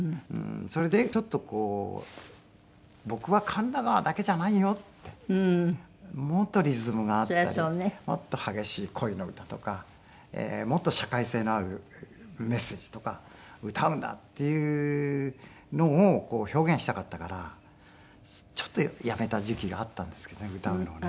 それでちょっとこう僕は『神田川』だけじゃないよって。もっとリズムがあったりもっと激しい恋の歌とかもっと社会性のあるメッセージとか歌うんだっていうのを表現したかったからちょっとやめた時期があったんですけどね歌うのをね。